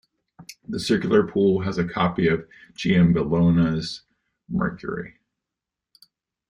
The circular pool has a copy of Giambologna's Mercury.